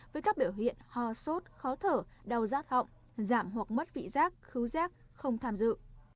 với các biểu hiện ho sốt khó thở đau giác họng giảm hoặc mất vị giác khứu giác không tham dự